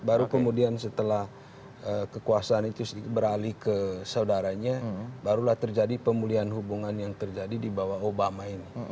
baru kemudian setelah kekuasaan itu beralih ke saudaranya barulah terjadi pemulihan hubungan yang terjadi di bawah obama ini